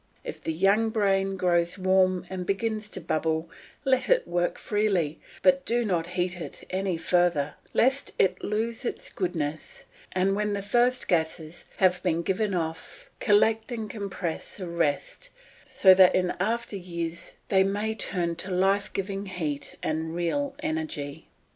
If the young brain grows warm and begins to bubble, let it work freely, but do not heat it any further, lest it lose its goodness, and when the first gases have been given off, collect and compress the rest so that in after years they may turn to life giving heat and real energy.